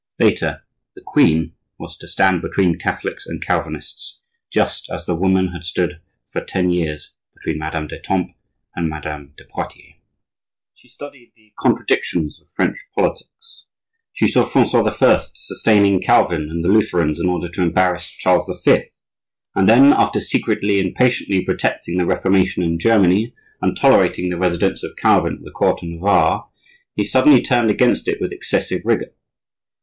Later, the queen was to stand between Catholics and Calvinists, just as the woman had stood for ten years between Madame d'Etampes and Madame de Poitiers. She studied the contradictions of French politics; she saw Francois I. sustaining Calvin and the Lutherans in order to embarrass Charles V., and then, after secretly and patiently protecting the Reformation in Germany, and tolerating the residence of Calvin at the court of Navarre, he suddenly turned against it with excessive rigor.